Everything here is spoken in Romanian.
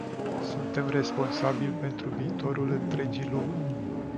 Suntem responsabili pentru viitorul întregii lumi.